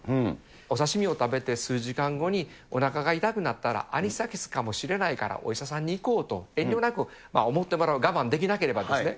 お刺身を食べて数時間後におなかが痛くなったら、アニサキスかもしれないから、お医者さんに行こうと、遠慮なく思ってもらう、我慢できなければですね。